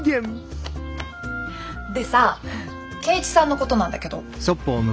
でさ圭一さんのことなんだけど。